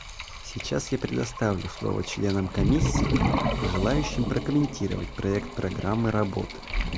Сейчас я предоставлю слово членам Комиссии, желающим прокомментировать проект программы работы.